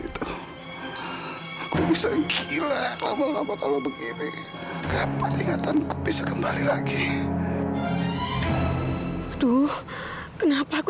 itu bisa gila lama lama kalau begini kapan ingatan bisa kembali lagi aduh kenapa aku